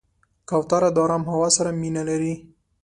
کوتره د آرام هوا سره مینه لري.